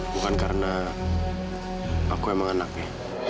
bukan karena aku emang anaknya